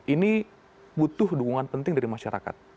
ini butuh dukungan penting dari masyarakat